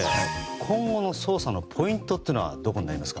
今後の捜査のポイントはどこになりますか？